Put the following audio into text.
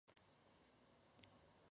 Nace en Johannesburgo, Sudáfrica.